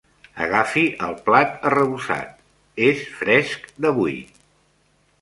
Agafi el plat arrebossat, és fresc d'avui.